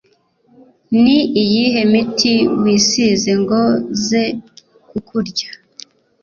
ni iyihe miti wisize ngo ze kukurya?".